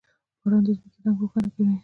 • باران د ځمکې رنګ روښانه کوي.